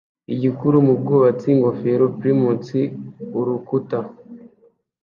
Igikuru mubwubatsi ingofero primes urukuta